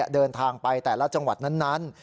เดินทางไปแต่ละจังหวัดนั้น